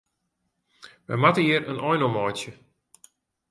Wy moatte hjir in ein oan meitsje.